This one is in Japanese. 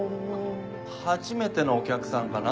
初めてのお客さんかな？